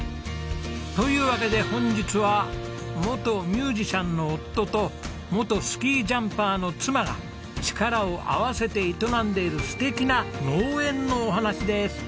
というわけで本日は元ミュージシャンの夫と元スキージャンパーの妻が力を合わせて営んでいる素敵な農園のお話です。